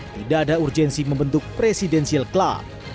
tidak ada urgensi membentuk presidensial club